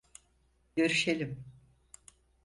Görüşelim.